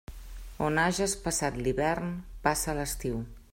On hages passat l'hivern, passa l'estiu.